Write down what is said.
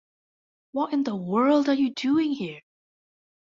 What in the world are you doing here?